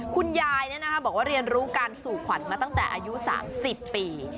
คุณยายเรียนรู้การสู่ขวัญในอายุ๓๐ปี